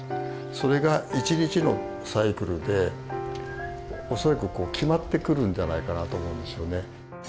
それが一日のサイクルで恐らく決まってくるんじゃないかなと思うんですよね。